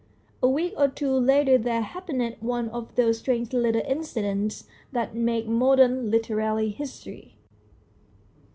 A week or two later there happened one of those strange little incidents that make modern literary history.